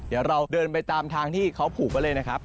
เดี๋ยวเราเดินไปตามทางที่เขาผูกไว้เลยนะครับ